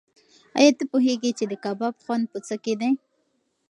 ایا ته پوهېږې چې د کباب خوند په څه کې دی؟